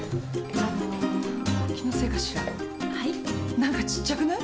何かちっちゃくない？